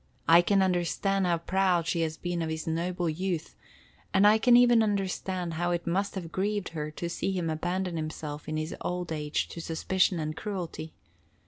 I can understand how proud she has been of his noble youth, and I can even understand how it must have grieved her to see him abandon himself in his old age to suspicion and cruelty.